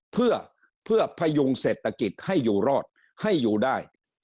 เพื่อพยุงเศรษฐกิจให้อยู่รอดให้อยู่ได้